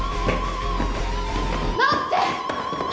待って！